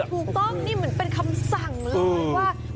ถูกต้องนี่เหมือนเป็นคำสั่งเลยว่า